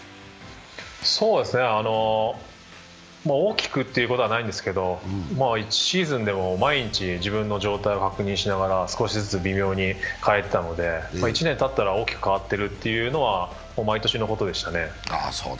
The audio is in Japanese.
大きくということはないんですけど、１シーズンでも毎日、自分の状態を確認しながら少しずつ微妙に変えていたので、１年たったら大きく変わっているというのは毎年でしたね。